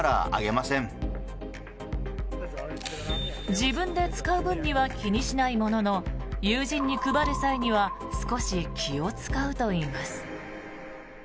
自分で使う分には気にしないものの友人に配る際には少し気を使うといいます。